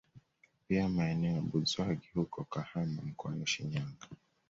Pia maeneo ya Buzwagi huko Kahama mkoani Shinyanga